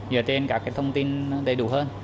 dựa trên các cái thông tin đầy đủ hơn